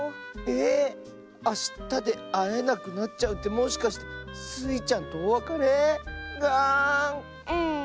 えっ⁉あしたであえなくなっちゃうってもしかしてスイちゃんとおわかれ⁉がん！